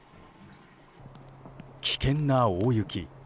危険な大雪。